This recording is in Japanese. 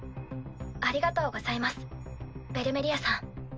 ありがとうございますベルメリアさん